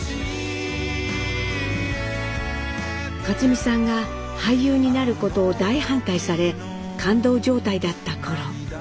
克実さんが俳優になることを大反対され勘当状態だった頃。